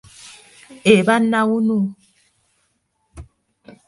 Eba nawunu.